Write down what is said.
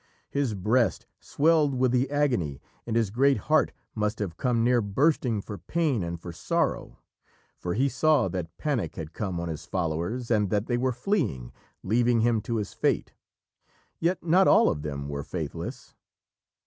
His breast swelled with the agony, and his great heart must have come near bursting for pain and for sorrow. For he saw that panic had come on his followers and that they were fleeing, leaving him to his fate. Yet not all of them were faithless.